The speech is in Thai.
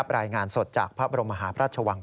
รายงานสดจากพระบรมหาพระชวัง